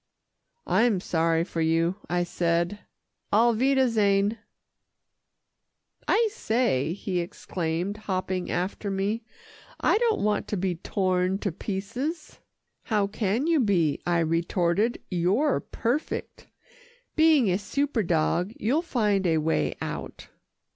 "I'm sorry for you," I said, "auf wiedersehen." "I say," he exclaimed hopping after me, "I don't want to be torn to pieces." "How can you be," I retorted, "you're perfect being a super dog, you'll find a way out."